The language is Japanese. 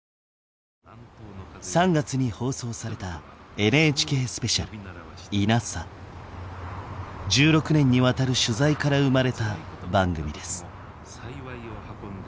３月に放送された１６年にわたる取材から生まれた番組です。